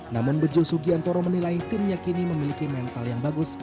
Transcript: namun bejo sugiantoro menilai timnya kini memiliki mental yang bagus